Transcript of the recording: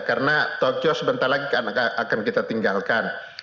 karena tokyo sebentar lagi akan kita tinggalkan